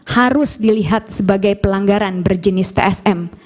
harus dilihat sebagai pelanggaran berjenis tsm